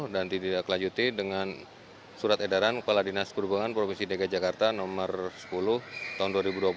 dan dididaklanjuti dengan surat edaran kepala dinas perubangan provinsi dki jakarta nomor sepuluh tahun dua ribu dua puluh